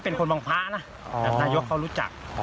เป็นคนวังพระนะแต่นายกเขารู้จัก